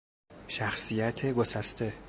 شخصیت گسسته